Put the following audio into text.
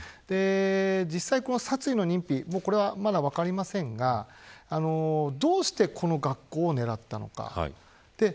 実際の殺意の認否はまだ分かりませんがどうしてこの学校を狙ったのか。